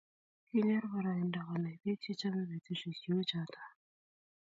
Kinyor boroindo konai bik chechomei betusiek cheuchuto